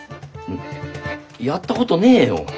んやったことねえよ。